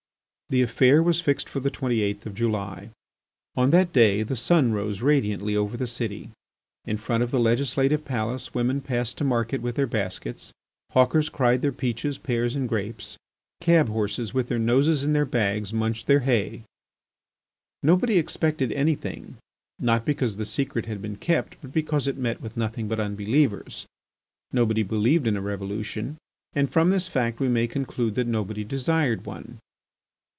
The affair was fixed for the twenty eighth of July. On that day the sun rose radiantly over the city. In front of the legislative palace women passed to market with their baskets; hawkers cried their peaches, pears, and grapes; cab horses with their noses in their bags munched their hay. Nobody expected anything, not because the secret had been kept but because it met with nothing but unbelievers. Nobody believed in a revolution, and from this fact we may conclude that nobody desired one.